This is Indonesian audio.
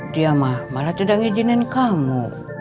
dia mah malah tidak mengizinin kamu